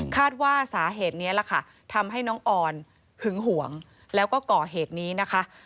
ว่าสาเหตุนี้ล่ะค่ะทำให้น้องออนหึงห่วงแล้วก็ก่อเหตุนี้นะคะ